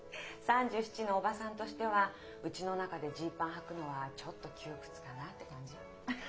３７のおばさんとしてはうちの中でジーパンはくのはちょっと窮屈かなって感じ。